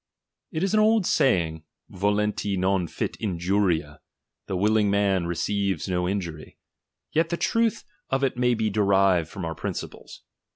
It is an old saying, volenti non Jit injuria, chap, i\ the wUling man receives no injury ; yet the trutli of it may be derived from our principles.